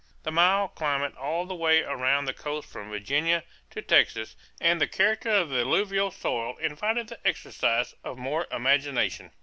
The mild climate all the way around the coast from Virginia to Texas and the character of the alluvial soil invited the exercise of more imagination.